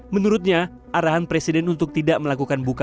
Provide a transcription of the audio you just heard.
menurutnya arahan presiden untuk tidak melakukan buka